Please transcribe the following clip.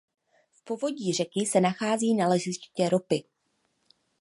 V povodí řeky se nachází naleziště ropy.